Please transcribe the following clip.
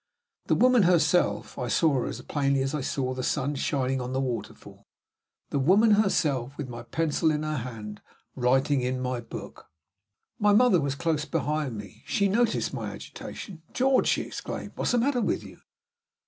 The woman herself I saw her as plainly as I saw the sun shining on the waterfall the woman herself, with my pencil in her hand, writing in my book! My mother was close behind me. She noticed my agitation. "George!" she exclaimed, "what is the matter with you?"